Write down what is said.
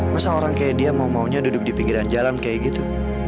masa orang kayak dia mau maunya duduk di pinggiran jalan kayak gitu